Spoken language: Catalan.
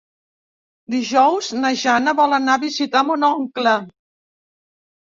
Dijous na Jana vol anar a visitar mon oncle.